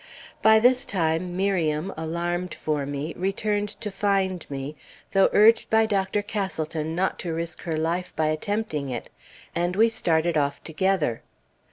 By this time, Miriam, alarmed for me, returned to find me, though urged by Dr. Castleton not to risk her life by attempting it, and we started off together.